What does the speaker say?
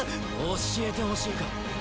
教えてほしいか？